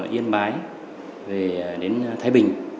từ yên bái về đến thái bình